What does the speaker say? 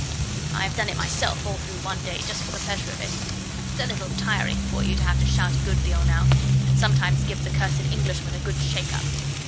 I have done it myself all through one day just for the pleasure of it. It's a little tiring for you to have to shout a good deal now, and sometimes give the cursed Englishman a good shake up.